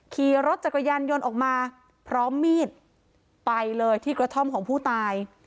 ขี่รถจักรยานยนต์ออกมาพร้อมมีดไปเลยที่กระท่อมของผู้ตาย